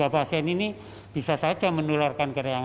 tiga pasien ini bisa saja menularkan kereangan